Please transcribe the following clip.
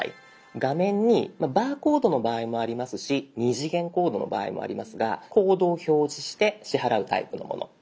画面にバーコードの場合もありますし２次元コードの場合もありますがコードを表示して支払うタイプのもの。